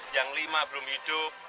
yang lima belum hidup